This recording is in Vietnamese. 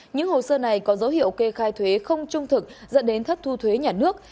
những hồ sơ này có dấu hiệu kê khai thuế không trung thực dẫn đến thất thu thuế nhà nước